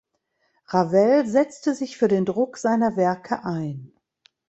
Ravel setzte sich für den Druck seiner Werke ein.